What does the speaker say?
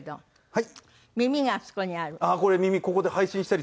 はい。